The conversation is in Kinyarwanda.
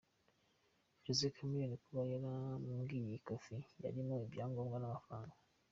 Jose Chameleone kuba yaramwibye ikofi yarimo ibyangombwa n’amafaranga.